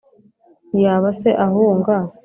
ntiyaba se ahunga